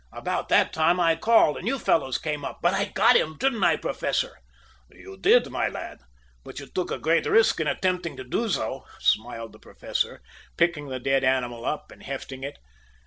About that time I called, and you fellows came up. But I got him, didn't I, Professor?" "You did, my lad. But you took a great risk in attempting to do so," smiled the Professor, picking the dead animal up and hefting it.